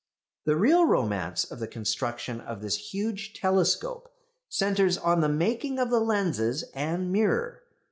The real romance of the construction of this huge telescope centres on the making of the lenses and mirror.